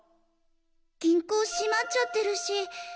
銀行閉まっちゃってるし。